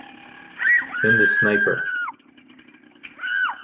In the Sniper!